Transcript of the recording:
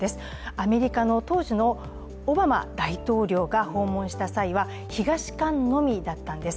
アメリカの当時のオバマ大統領が訪問した際は東館のみだったんです。